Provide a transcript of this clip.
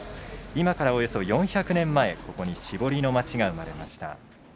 今からおよそ４００年前ここに絞りの町が生まれました。